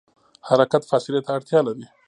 حرکت فاصلې ته اړتیا لري.